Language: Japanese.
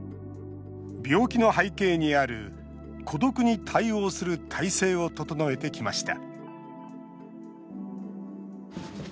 病気の背景にある孤独に対応する体制を整えてきました。